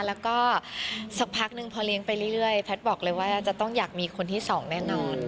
แล้วก็สักพักนึงพอเลี้ยงไปเรื่อยแพทย์บอกเลยว่าจะต้องอยากมีคนที่สองแน่นอน